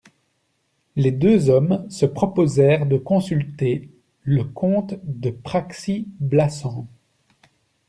Les deux hommes se proposèrent de consulter le comte de Praxi-Blassans.